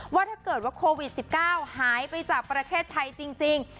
ว่าถ้าเกิดว่าโควิด๑๙หายไปจากประเทศไทยจริง